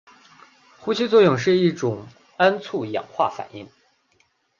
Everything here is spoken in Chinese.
呼吸作用是一种酶促氧化反应。